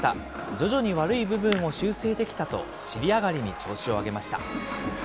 徐々に悪い部分を修正できたと尻上がりに調子を上げました。